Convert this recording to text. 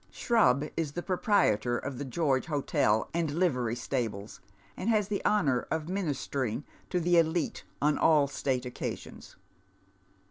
Shrub is the proprietor of tlie George Hotel and livery stables, and has the honour of ministering to the elite on all 8tate occa sions.